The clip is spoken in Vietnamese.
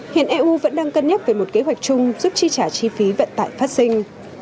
hiện eu vẫn đang cân nhắc về một kế hoạch chung giúp chi trả chi phí vận tải phát sinh